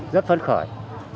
rất phấn khởi